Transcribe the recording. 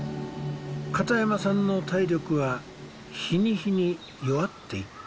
片山さんの体力は日に日に弱っていった。